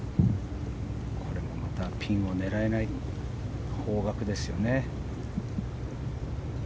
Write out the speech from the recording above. これもまたピンを狙えない方角ですよね。